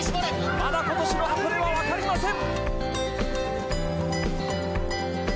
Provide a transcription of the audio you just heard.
まだ今年の箱根はわかりません！